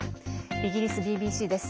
イギリスＢＢＣです。